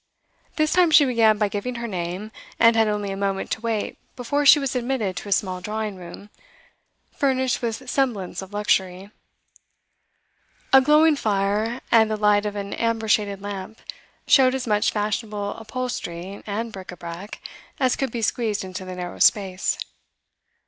This time she began by giving her name, and had only a moment to wait before she was admitted to a small drawing room, furnished with semblance of luxury. A glowing fire and the light of an amber shaded lamp showed as much fashionable upholstery and bric a brac as could be squeezed into the narrow space.